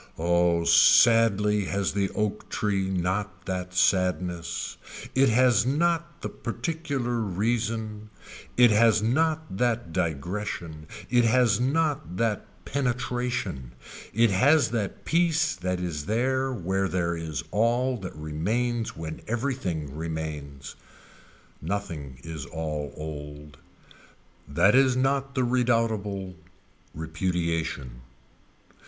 Oh sadly has the oak tree not that sadness. It has not the particular reason. It has not that digression. It has not that penetration. It has that piece that is there where there is all that remains when everything remains. Nothing is all old. That is not the redoubtable repudiation.